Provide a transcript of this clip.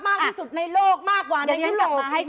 มากที่สุดในโลกมากกว่าในยุค